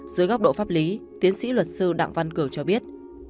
dưới góc độ pháp lý tiến sĩ luật sư đặng văn cường cho biết